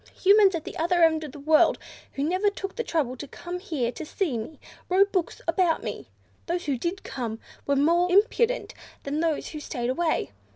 Humans at the other end of the world, who, never took the trouble to come here to see me, wrote books about me. Those who did come were more impudent than those who stayed away.